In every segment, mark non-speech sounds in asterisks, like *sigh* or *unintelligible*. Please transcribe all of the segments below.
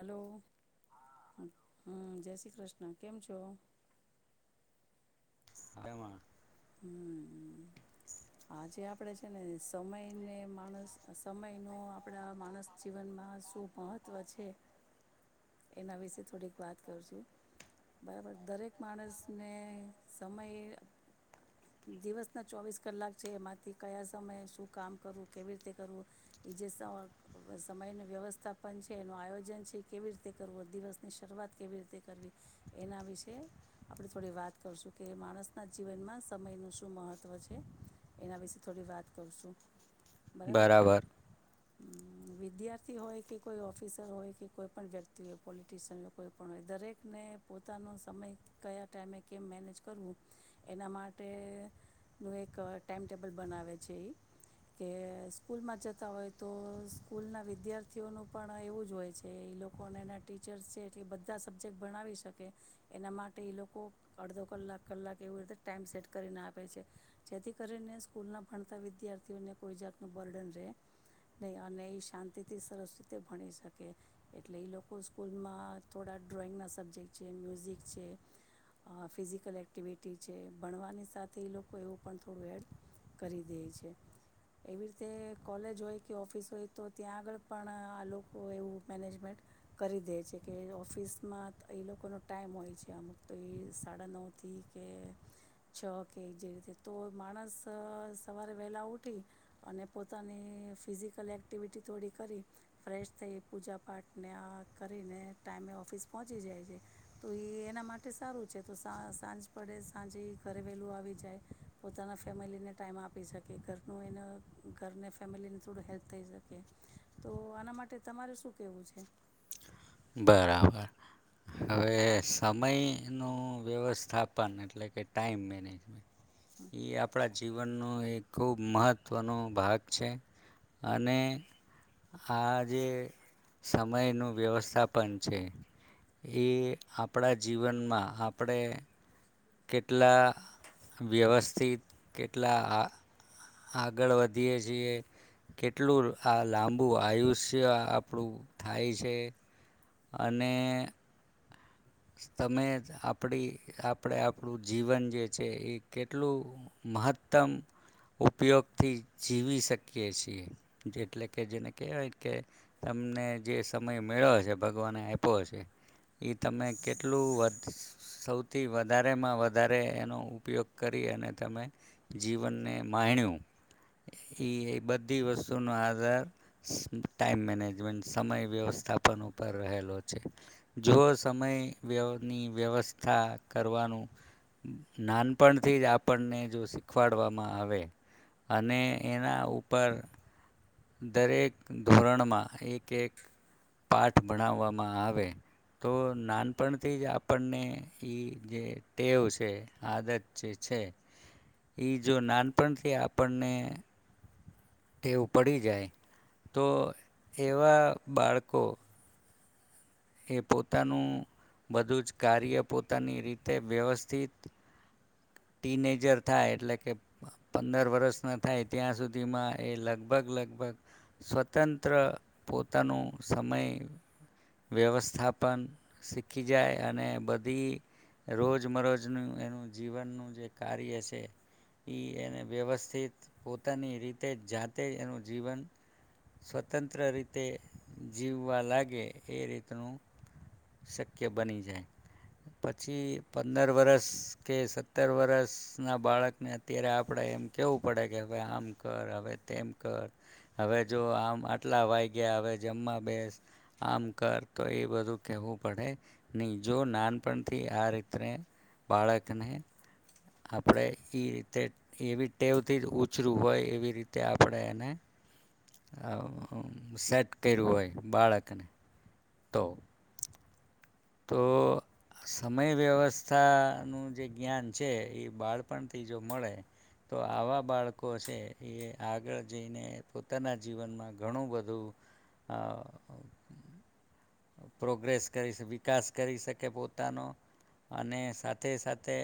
Hello હમ જય શ્રી કૃષ્ણ કેમ છો. મજામાં હમ. આજે આપડે છે ને સમયને માણસ સમય ન આપડા માનસ જીવનમાં શું મહત્વ છે એના વિશે થોડીક વાત કર છું બરાબર દરેક માણસને સમય દિવસ ના ચોવીસ કલાક. એમાંથી કયા સમયે શું કામ કરવું કેવી રીતે કરવું એ જે સમયનું વ્યવસ્થાપન છે એનું આયોજન છે કેવી રીતે કરવું દિવસની શરૂઆત કેવી રીતે કરવી એના વિશે આપણે થોડી વાત કરશું કે માણસના જીવનમાં સમયનું શ. શું મહત્ત્વ છે. એના વિશે થોડી વાત કરુંશું. બરાબર છે. વિદ્યાર્થી હોય કે કોઈ ઓફિસર હોય કે કોઈ પણણ વ્યક્તિ હોય પોલિટિશિયન હોય કોઈ પણણ હોય દરેકને પોતાનો સમય કયા ટાઈમે કેમ મેનેજ કરવું એના માટેનું એક. ટાઈમટેબલ બનાવે છે એ કે સ્કૂલમાં જતા હોય તો સ્કૂલના વિદ્યાર્થીઓનું પણ એવું જ હોય છે એ લોકો અને એના ટીચર્સ છે એટલે બધા સબ્જેક્ટ બણાવી શકે એના માટે એ લોકો અડધો કલાક કલાક એવીું રીતે ટાઈઇમ સેટ કરીને આપે છે જેથી. કરીને સ્કૂલના ભણતા વિદ્યાર્થીઓને કોઈ જાતનું બર્ડન રહે નહીં અને એ શાંતિથી સરસ રીતે ભણી શકે એટલે એ લોકો સ્કૂલમાં થોડા ડ્રોઈંગના સબ્જેક્ટ છે મ્યુઝિક છે ફિઝિકલ એક્ટિવિટી છે ભણવાની સાથે એ લોકો એવું પણ થ. થોડું એડ કરી દે છે એવી રીતે કોલેજ હોય કે ઓફિસ હોય તો ત્યાં આગળ પણ આ લોકો એવું મેનેજમેન્ટ કરી દે છે કે ઓફિસમાં એ લોકોનો ટાઈમ હોય છે અમુક તો એ સાડા નવથી કે છ કે જે રીતે. તો માણસ સવારે વહેલા ઉઠી અને પોતાની ફિઝિકલ એક્ટિવિટી થોડી કરી ફ્રેશ થઈ પૂજા પાઠને આ કરીને ટાઈમે ઓફિસ પહોંચી જાય છે તો એ એના માટે સારું છે તો સા સાંજ પડે સાંજે ઘરે વહેલું આવી જાય. પોતાના ફેમિલીને ટાઈમ આપી શકે ઘરનું એને ઘરને ફેમિલીને થોડું હેલ્પ થઈ શકે તો આના માટે તમારે શું કહેવું છે. બરાબર હવે સમયનું વ્યવસ્થાપન એટલે કે ટાઈમ મેનેજમેન્ટ. એ આપડા. જીવનનો એ ખૂબ મહત્ત્વનો ભાગ છે, અને આ જે સમયનું વ્યવસ્થા થાપન છે, એ આપણા જીવનમાં આપણે કેટલા વ્યવસ્થિત કેટલા આ આગળ વધીએ છીએ, કેટલું આ લાંબુ આયુષ્ય આપણું થાય છે. અને તમે આપણી આપણે આપણું જીવન જે છે એ કેટલું મહત્તમ ઉપયોગથી જીવી શકીએ છીએ, જેટલે કે જેને કહેવાય કે, તમને જે સમય મેળ્યો છે ભગવાને આપ્યો છે, એ તમે. કેટલું વધ સૌથી વધારેમાં વધારે એનો ઉપયોગ કરી અને તમે, જીવનને માણ્યું એ એ બધી વસ્તુનો આધાર ટાઈમ મેનેજમેન્ટ સમય વ્યવસ્થાપન ઉપર રહેલો છે, જો સમય વ્યની વ્યવસ્થા કરવાનું નાનપણથી જ આપણને જો શીખવાડવામાં આવે, અને એના ઉપર દરેક ધોરણમાં એક એક પાઠ ભણાવવામાં આવે, તો નાનપણથી જ આપણને એ જે ટેવ છે આદત જે છે, એ જો નાનપણથી આપણને ટેવું પડી જાય, તો એવા બાળકો એ પોતાનું બધું જ કાર્ય પોતાની રીતે વ્યવસ્થિત, ટીનેજર થાય એટલે કે પંદર વર્ષના થાય ત્યાં સુધીમાં એ લગભગ લગભગ, સ્વતંત્ર પોતાનું સમય વ્યવસ્થાપન શીખી જાય અને બધી રોજમરોજનું એનું જીવનનું જે કાર્ય છે એ એને વ્યવસ્થિત પોતાની રીતે જ જાતે એનું જીવન સ્વતંત્ર રીતે જીવવા લાગે. એ રીતનું શક્ય બની જાય, પછી પંદર વરસ કે સત્તર વરષના બાળકને અત્યારે આપણે એમ કહેવું પડે કે હવે આમ કર હવે તેમ કર, હવે જો આમ આટલા વાઈ ગયા હવે જમવા બેસ, આમ કર તો એ બધું કેવું પડે નહી જો નાનપણથી આ રીતને બાળકને આપણે એઈ રીતે એવી ટેવથી જ ઉછરું હોય એવી રીતે આપણે એને સેટ કર્યું હોય બાળકને. તો તો સમય વ્યવસ્થાનું જે જ્ઞાન છે એ બાળપણથી જો મળે, તો આવા બાળકો છે એ આગળ જઈને પોતાના જીવનમાં ઘણું બધું પ્રોગ્રેસ કરીશ. વિકાસ કરી શકે પોતાનો, અને સાથે સાથે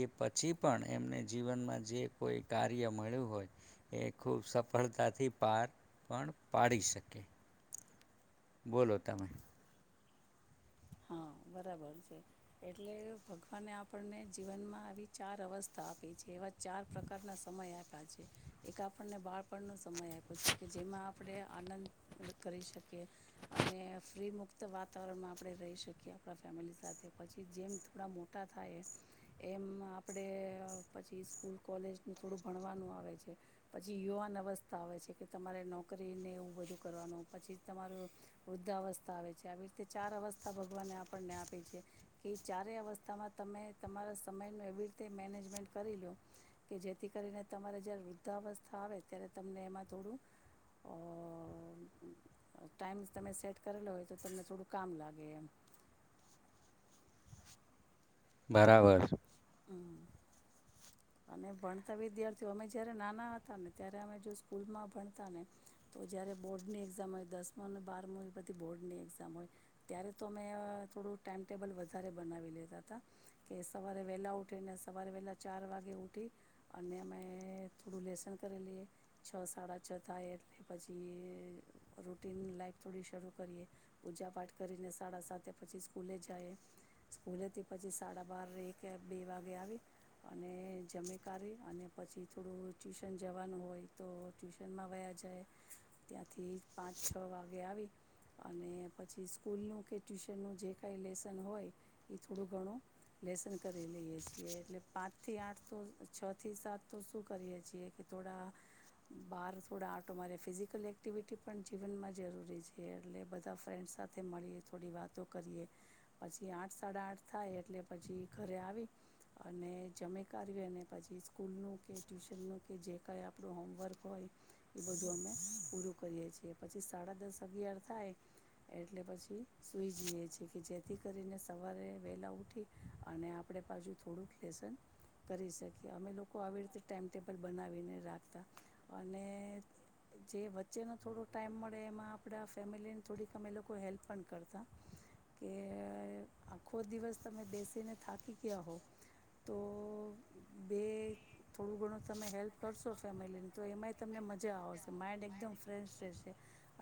એ પછી પણ એમને જીવનમાં જે કોઈ કાર્ય મળ્યું હોય, એ ખૂબ સફળતાથી પાર પણ પાડી શકે. બોલોલો તમે. હા બરાબર છે, એટલે ભગવાને આપણને જીવનમાં આવી ચાર અવસ્થા આપી છે, એવા ચાર પ્રકારના સમય આપ્યા છે, એક આપણને બાળપણનો સમય આપ્યો છે કે જેમાં આપ આપણે આનંદ કરી શકીએ, અને ફ્રી મુુક્ત વાતાવરણમાંણે આપણે રહી શકીએ, આપણા ફેમિલી સાથે પછી જેમ થોડા મોટા થાય, એમ આપણે પછી સ્કૂલ કોલેજનું થોડું ભણવાનું આવે છે, પછી યુવાન અવસ્થા આવે છે કે તમારે નોકરીને એવું બધું કરવાનું પછી તમારું વૃદ્ધાવસ્થા આવે છે આવી રીતે ચાર અવસ્થા થા ભગવાને આપણને આપે છે, કે ચારે અવસ્થામાં તમે તમારા સમયનું એવી રીતે મેનેજમેન્ટ કરી લો કે જેથી, કરીને તમારે જય્યારે વૃદ્ધાવસ્થા આવે ત્યારે તમને એમાં થોડું અ ટાઈમ તમે સેટ કરેલો હોય તો તમને થોડું કામ લાગે. કેમ? બરાબર. હમ. અને ભણતા વિદ્યાર્થીઓ અમે જયારે નાના હતા ને ત્યારે અમે જો સ્કૂલમાં ભણતા ને તો જયારે બોર્ડ ની એક્ઝામ હોય દસમને બારમો એ બધી બોર્ડ ની એક્ઝામ હોય ત્યારે તો અમે થોડું ટાઈમટેબલ વધારે બનાવી લેતા હતા કે સવારે વહેલા ઉઠી ને સવારે વહેલા ચાર વાગ ઉઠી અને અમે થોડું લેસન કરી લઈએ છ સાડા છ થાય એટલે પછી રૂટીન લાાઈફ થોડી શરૂ કરીએ પૂજા પાઠ કરીને સાડા સાતે પછી સ્કૂલે જઈએ સ્કૂલેથી પછી સાડા બાર એક બે વાગે આવી અને. જમે કી અને પછી થોડું ટ્યુશન જવાનું હોય તો ટ્યુશનમાં વયા, જાય ત્યાંથી પાંચ છ વાગે આવી અને પછી સ્કૂલનું કે ટ્યુશનનું જે કાંઈ લેસન હોય, એ થોડું ઘણું લેસન કરી લઈએ છીએ એટલે પાંચથી આઠ તો છ થી સાત તો શું કરીએ છીએ કે થોડા, બહાર થોડા આટો મારે ફિઝિકલ એક્ટિવિટી પણ જીવનમાં જરૂરી છે, એટલે બધા ફ્રેન્ડસ સાથે મળીએ થોડી વાતો કરીએ, પછી આઠ સાડા આઠ થાય એટલે પછી ઘરે આવી, અને જમે કાર્યને પછી સ્કૂલનું કે ટ્યુશનનું કે જે કાંઈ આપણું હોમવર્ક હોય, એ બધું અમે પૂરું કરીએ છીએ પછી સાડા દસ અગિયાર થાય એટલે પછી સુઈ જઈએ છીએ કે જેથી કરીને સવારે વહેલાં ઉઠી અને આપણે પાછું થોડુંક લેસન કરી શકીએ અમે લોકો આવી રીતે ટાઈઇમટેબલ બનાવીને રાખતા અને જે વચ્ચેનો થોડો ટાઈમ મળે એમાં આપણા ફેમિલીને થોડીક અમે લોકો હેલ્પ પણ કરતા કે આખો દિવસ તમે બેસીને થાકી ગયા હો તો. બે થોડું ઘણું તમે હેલ્પ કરશો ફેમિલીની તો એમાંય તમને મજા આવશે માઇન્ડ એકદમ ફ્રેશ રહેશે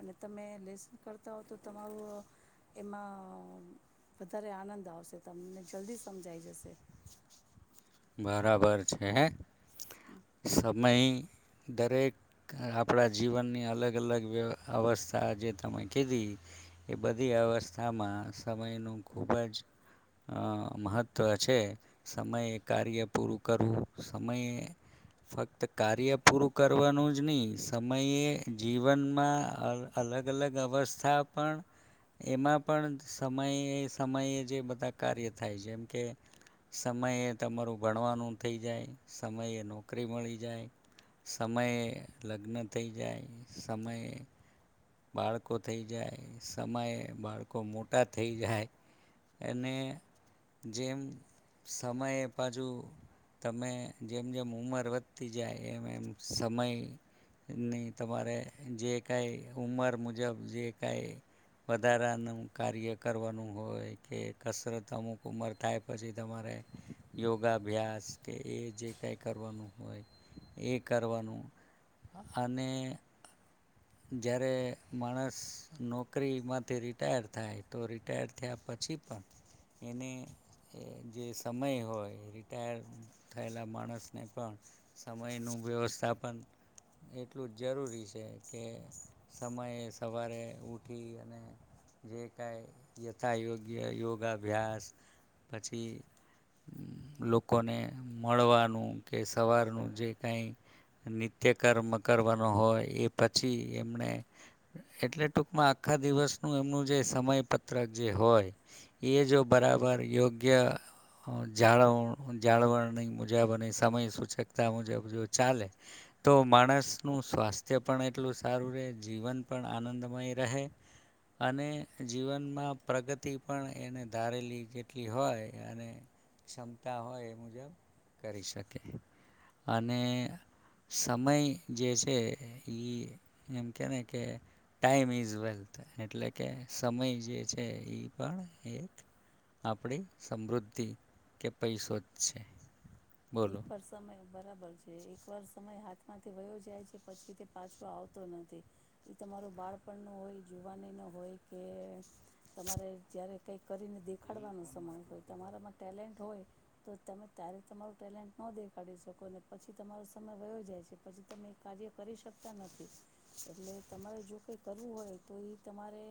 અને તમે લેસન કરતા હો તો તમારું એમાં વધારે આનંદ આવશે તમને જલ્દી સમજાઈ જશે. બરાબર છે હે. સબ અહી દરેક આપણા જીવનની અલગ અલગ વ્ય અવસ્થા જે તમે કીધી, એ બધી અવસ્થામાં સમયનું ખૂબ જ મહત્ત્વ છે. સમયે કાર્ય પૂરું કરવું સમયે, ફક્ત કાર્ય પૂરું કરવાનું જ નહીં સમયે જીવનમાં અલગ અલગ અવસ્થા પણ, એમાં પણ સમયે સમયે જે બધા કાર્ય થાય જેમ કે સમયે તમારું ભણવાનું થઈ જાય સમયે નોકરી મળી જાય, સમયે લગ્ન થઈ જાય, સમયે બાળકો થઈ જાય, સમયે બાળકો મોટા થઈ જાય, અને જેમ સમયે પાછુ તમે જેમ જેમ ઉંમર વધતી જાય, એમ એમ સમયની તમારે જે કાંઈ ઉંમર મુજબ જે કાંઈ વધારાનું કાર્ય કરવાનું હોય કે કસરત અમુક ઉંમર થાય, પછી તમારે યોગાભ્યાસ કે એ જે કાંઈ કરવાનું હોય એ કરવાનું, અને જ્યારે માણસ નોકરીમાંથી રિટાયર થાય તો રિટાયર થયા પછી પણ એને જે સમય હોય રિટાયર થયેલા માણસને પણ સમયનું વ્યવસ્થાપન એટલું જ જરૂરી છે. કે સમયે સવારે ઉઠી અને જે કાંઈ યથાયયોગ્ય યોગાભ્યાસ પછી લોકોને મળવાનું કે સવારનું જે કાંઈ નિત્યકર્મ કરવાનો હોય એ. *unintelligible* પછી એમણે, એટલે ટૂંકમાં આખા દિવસનું એમનું જે સમયપત્રક જે હોય, એ જો બરાબર યોગ્ય જાળવ જાળવણી મુજબ અને સમયસૂચકતા મુજબ જો ચાલે, તો માણસનું સ્વાસ્થ્ય પણ એટલું સારું રહે જીવન પણ આનંદમય રહે, અને જીવનમાં પ્રગતિ પણ એને ધારેલી જેટલી હોય અને ક્ષમતા હોય એ મુજબ કરી શકે, અને સમય જે છે. એ એમ કે ને કે, ટાઈમ ઇઝ વેલ્થ એટલે કે સમય જે છે એ પણ એક, આપણી સમૃદ્ધિ કે પૈસો જ છે. બોલો એક વાર સમય બરાબર છે એક વાર સમય હાથ માંથી વયો જાય છે પછી તે પાછો આવતો નથી, એ તમારો બાળપણનો હોય જુવાનીનો હોય કે તમારે જ્યારે કંઈક કરીને દેખાડવાનો સમય હોય, તમારામાં ટેલેન્ટ હોય તો તમે ત્યારે તમારું ટેલેન્ટ ન દેખાડી શકો પછી તમારો સમય વયો જાય છે પછી તમે એ કાર્ય કરી શકતા નથી એટલે તમારે જો કંઈ કરવું હોય તો એ તમારે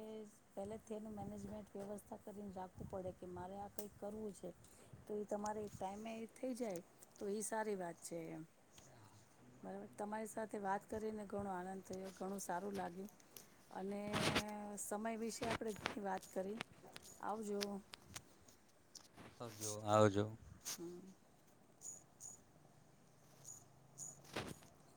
પહેલેથી એનું મેનેજમેન્ટ વ્યવસ્થા કરીને રાખવું પડે કે મારે આ કંઈક કરવું છે તો એ તમારે ટાઈમે થઈ જાય. તો એ સારી વાત છે, એમ બરાબર તમારી સાથે વાત કરીને ઘણો આનંદ થયો ઘણું સારું લાગ્યું, અને સમય વિશે આપણે ઘણી વાત કરી આવજો. જો આવજો. હમ. *inaudible*